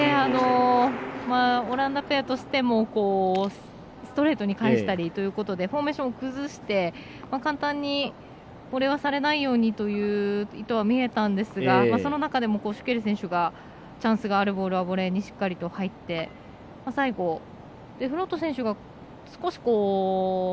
オランダペアとしてもストレートに返したりということでフォーメーションを崩して、簡単に壊されないようにという意図は見えたんですがその中でもシュケル選手がチャンスがあるボールはボレーにしっかりと入って最後、デフロート選手が少し。